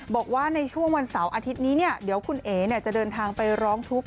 บอกว่าในช่วงวันเสาร์อาทิตย์นี้เดี๋ยวคุณเอ๋จะเดินทางไปร้องทุกข์